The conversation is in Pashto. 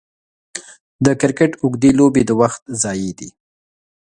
د کرکټ اوږدې لوبې د وخت ضايع دي.